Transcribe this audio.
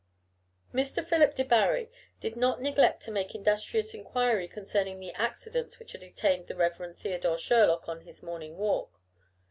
Mr. Philip Debarry did not neglect to make industrious enquiry concerning the accidents which had detained the Reverend Theodore Sherlock on his morning walk.